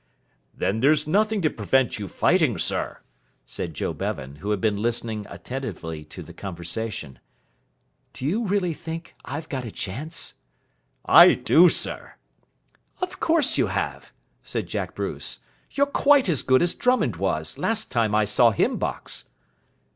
"Then there's nothing to prevent you fighting, sir," said Joe Bevan, who had been listening attentively to the conversation. "Do you really think I've got a chance?" "I do, sir." "Of course you have," said Jack Bruce. "You're quite as good as Drummond was, last time I saw him box."